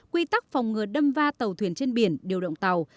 quy tắc phòng ngừa đâm va tàu thuyền trên biển điều động tàu